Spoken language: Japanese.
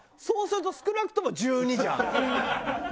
そうすると少なくとも１２じゃん。